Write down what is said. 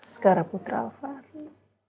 sekarang putra aku